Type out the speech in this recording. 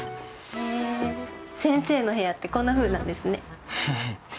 へぇ先生の部屋ってこんなふうなんですね。